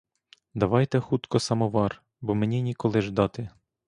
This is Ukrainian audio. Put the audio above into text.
Давайте хутко самовар, бо мені ніколи ждати.